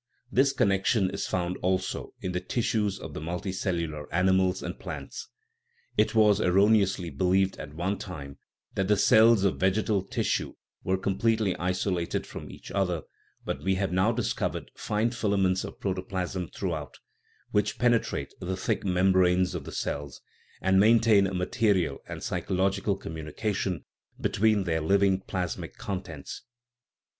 This connection is found, also, in the tissues of the multicellular animals and plants. It was er roneously believed at one time that the cells of vegetal tissue were completely isolated from each other, but we have now discovered fine filaments of protoplasm throughout, which penetrate the thick membranes of the cells, and maintain a material and psychological communication between their living plasmic contents.